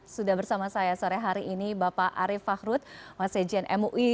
sudah bersama saya sore hari ini bapak arief fakhrud wase jen mui